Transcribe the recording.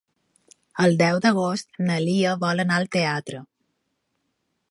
El deu d'agost na Lia vol anar al teatre.